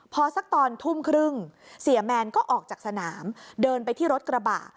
พอสักตอนทุ่มครึ่งเสียแมนก็ออกจากสนามเดินไปที่รถกระบะ